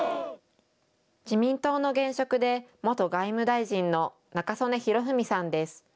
自民党の現職で元外務大臣の中曽根弘文さんです。